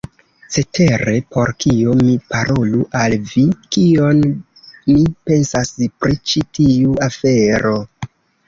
Cetere por kio mi parolu al vi, kion mi pensas pri ĉi tiu afero.